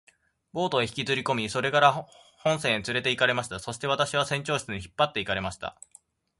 ボートへ引きずりこみ、それから本船へつれて行かれました。そして私は船長室へ引っ張って行かれました。